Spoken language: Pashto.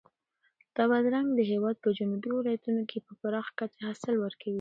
دا بادرنګ د هېواد په جنوبي ولایتونو کې په پراخه کچه حاصل ورکوي.